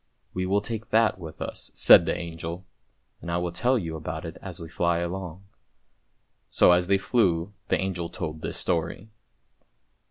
" We will take that with us," said the angel; " I will tell you about it as we fly along." So as they flew the angel told this story.